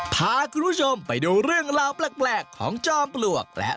พาคุณผู้ชมไปดูเรื่องราวแปลกของจอมปลวกและ